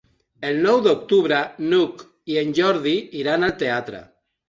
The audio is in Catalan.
El nou d'octubre n'Hug i en Jordi iran al teatre.